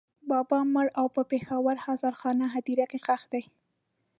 بابا مړ او په پېښور هزارخانۍ هدېره کې ښخ دی.